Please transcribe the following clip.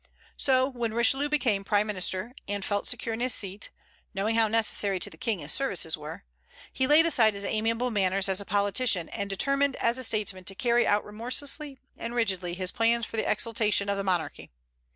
So when Richelieu became prime minister, and felt secure in his seat, knowing how necessary to the King his services were, he laid aside his amiable manners as a politician, and determined as a statesman to carry out remorselessly and rigidly his plans for the exaltation of the monarchy.